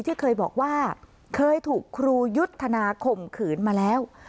ที่เคยบอกว่าเคยถูกครูยุทธนาข่มขืนมาแล้ว